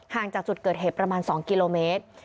จากจุดเกิดเหตุประมาณ๒กิโลเมตร